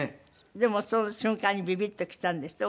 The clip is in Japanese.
でもその瞬間にビビッときたんですって？